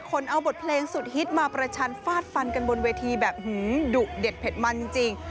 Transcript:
คนเอาบทเพลงสุดฮิตมาประชันฟาดฟันกันบนเวทีแบบดุเด็ดเผ็ดมันจริง